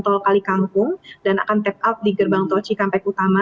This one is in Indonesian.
tol kalikangkung dan akan tap out di gerbang tol cikampek utama